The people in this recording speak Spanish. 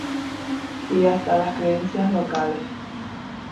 Y hasta las creencias locales".